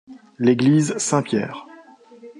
L'église Saint-Pierre.